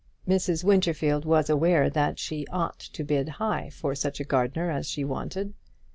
Mrs. Winterfield was aware that she ought to bid high for such a gardener as she wanted.